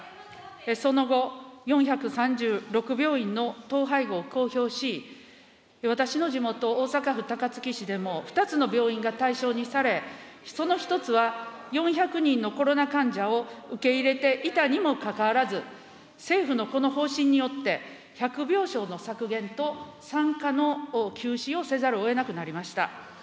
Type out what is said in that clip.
その後、４３６病院の統廃合を公表し、私の地元、大阪府高槻市でも２つの病院が対象にされ、その一つは４００人のコロナ患者を受け入れていたにもかかわらず、政府のこの方針によって、１００病床の削減と、産科の休止をせざるをえなくなりました。